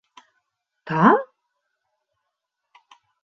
— Там?